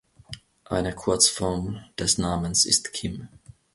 Eine Kurzform des Namens ist Kim.